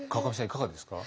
いかがですか？